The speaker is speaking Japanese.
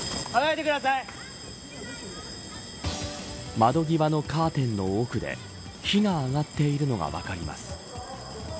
窓際のカーテンの奥で火が上がっているのが分かります。